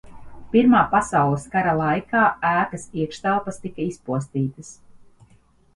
Pirmā pasaules kara laikā ēkas iekštelpas tika izpostītas.